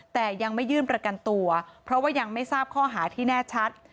แต่ยังไม่ยื่นประกันตัวเพราะว่ายังไม่ทราบข้อหาที่แน่ชัด